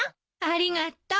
ありがとう。